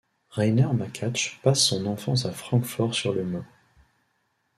Rainer Makatsch passe son enfance à Francfort-sur-le-Main.